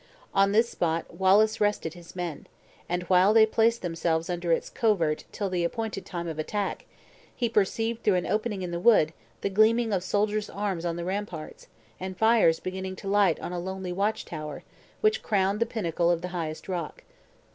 On this spot Wallace rested his men; and while they placed themselves under its covert till the appointed time of attack, he perceived through an opening in the wood, the gleaming of soldiers' arms on the ramparts, and fires beginning to light on a lonely watchtower, which crowned the pinnacle of the highest rock.